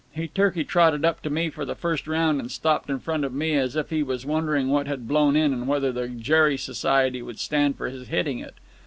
He turkey trotted up to me for the first round and stopped in front of me as if he was wondering what had blown in and whether the Gerry Society would stand for his hitting it.